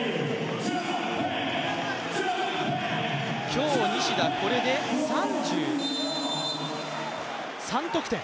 今日、西田、これで３３得点。